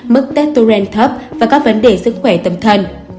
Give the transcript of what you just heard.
mức teturen thấp và các vấn đề sức khỏe tâm thần